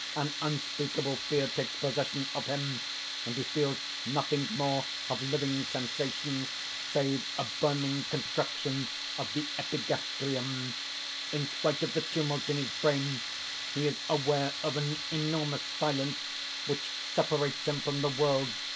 An unspeakable fear takes possession of him; and he feels nothing more of living sensation, save a burning contraction of the epigastrium. In spite of the tumult in his brain, he is aware of an enormous silence which separates him from the world.